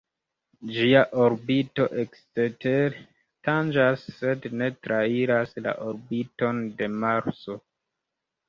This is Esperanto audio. Ĝia orbito ekstere tanĝas sed ne trairas la orbiton de Marso.